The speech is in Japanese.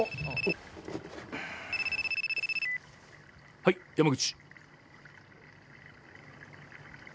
はい山口。